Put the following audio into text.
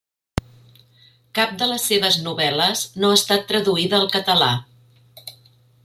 Cap de les seves novel·les no ha estat traduïda al català.